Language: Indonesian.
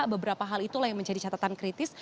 beberapa hal itulah yang menjadi catatan kritis